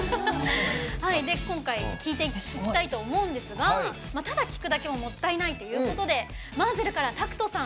今回、聴いていきたいと思うんですがただ聴くだけももったいないということでＭＡＺＺＥＬからＴＡＫＵＴＯさん